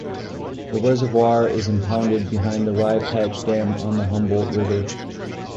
The reservoir is impounded behind the Rye Patch Dam on the Humboldt River.